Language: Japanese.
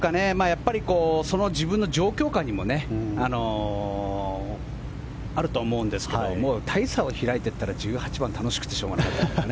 やっぱり自分の状況下にもあると思うんですけども大差を開いていたら１８番、楽しくてしょうがない。